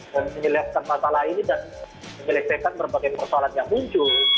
dan menyelesaikan masalah ini dan menyelesaikan berbagai persoalan yang muncul